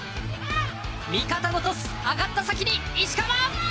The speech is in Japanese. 味方のトス、上がった先に石川。